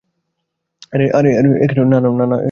আরে না না, ঠিক আছে।